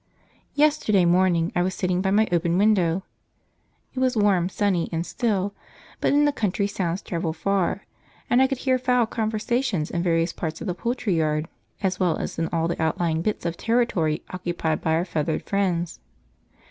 Yesterday morning I was sitting by my open window. It was warm, sunny, and still, but in the country sounds travel far, and I could hear fowl conversation in various parts of the poultry yard as well as in all the outlying bits of territory occupied by our feathered friends.